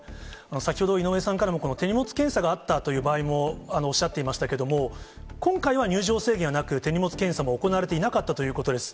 先ほど、井上さんからも、手荷物検査があったという場合もおっしゃっていましたけども、今回は入場制限はなく、手荷物検査も行われていなかったということです。